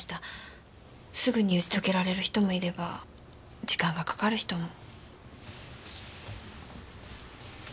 すぐに打ち解けられる人もいれば時間がかかる人も。